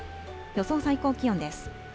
予想最高気温です。